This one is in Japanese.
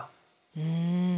うん。